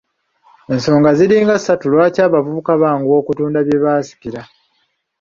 Ensonga ziringa ssatu lwaki abavubuka banguwa okutunda bye basikidde.